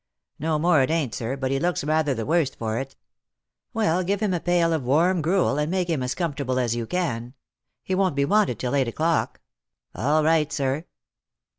" No more it ain't, sir; but he looks rather the worst for it." " Well, give him a pail of warm gruel, and make him as comfortable as you can. He won't be wanted till eight o'clock." "All right, sir!"